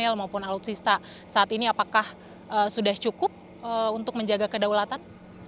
maupun alutsista saat ini apakah sudah cukup untuk menjaga kedaulatan